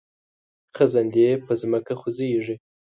خزندې په ځمکه خوځیږي